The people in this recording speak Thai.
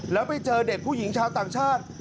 แล้วไปเจอเด็กผู้หญิงชาวต่างชาติ